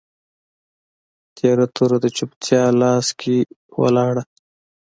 تیره توره د چوپتیا لاس کي ولاړه